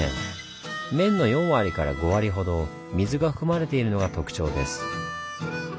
麺の４割から５割ほど水が含まれているのが特徴です。